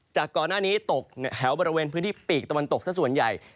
จากก่อนหน้านี้ตกแถวบริเวณพื้นที่ปีกตะวันตกสักส่วนใหญ่